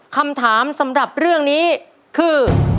คำถามสำหรับเรื่องนี้คือ